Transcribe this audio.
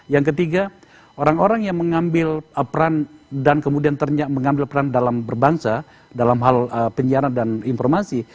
yang ketiga orang orang yang mengambil peran dan kemudian mengambil peran dalam berbangsa dalam hal penjara dan informasi